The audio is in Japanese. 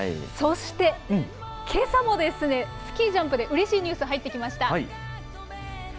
そしてけさもスキージャンプで、うれしいニュース、入ってきました。